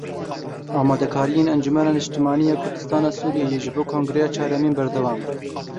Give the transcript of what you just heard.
Amadekariyên Encumena Niştimanî ya Kurdistana Sûriyeyê ji bo kongreya çaremîn berdewam in.